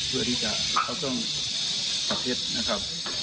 เพื่อที่จะเขาต้องจับเท็จนะครับ